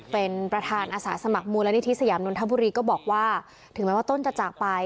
เป็นประธานอาสาสมัครมูลนิธิสยามนนทบุรีก็บอกว่าถึงแม้ว่าต้นจะจากไป